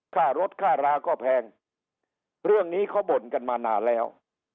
ค่ารถค่าราก็แพงเรื่องนี้เขาบ่นกันมานานแล้ว